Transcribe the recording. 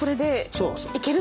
そうそう。